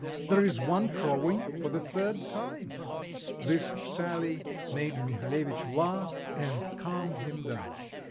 there is one crowing for the third time." This sally made Mihalevitch laugh, and calmed him down.